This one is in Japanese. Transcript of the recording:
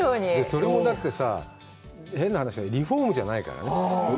それもだってさ、変な話だけど、リフォームじゃないからね。